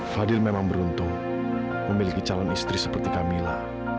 fadil memang beruntung memiliki calon istri seperti kamila